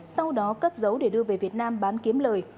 sau đó cất dấu để đưa về việt nam bán kiếm lời